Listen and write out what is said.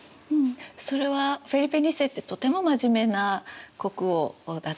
それはフェリペ２世ってとても真面目な国王だったんですね。